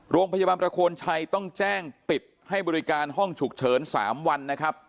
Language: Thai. โรงพยาบาลประโคนชัยต้องแจ้งปิดให้บริการห้องฉุกเฉิน๓วันนะครับ